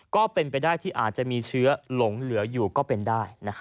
ก็เป็นไปได้ที่อาจจะมีเชื้อหลงเหลืออยู่ก็เป็นได้